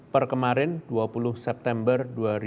perkemarin dua puluh september dua ribu dua puluh satu